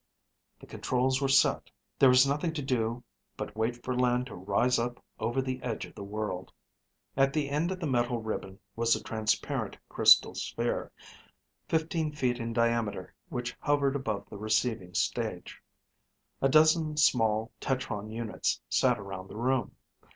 The controls were set. There was nothing to do but wait for land to rise up over the edge of the world. As the end of the metal ribbon was a transparent crystal sphere, fifteen feet in diameter which hovered above the receiving stage. A dozen small tetron units sat around the room.